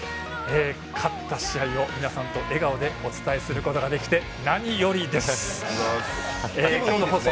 勝った試合を、皆さんと笑顔でお伝えすることができて何よりです。